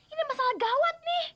ini masalah gawat nih